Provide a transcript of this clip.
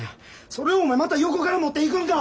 それをお前また横から持っていくんか！